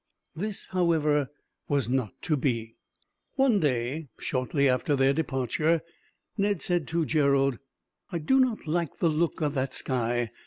This, however, was not to be. One day, shortly after their departure, Ned said to Gerald: "I do not like the look of the sky.